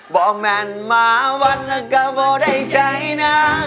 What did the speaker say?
บ่อแมนมะวัดละกะโบได้ใช่น่ะ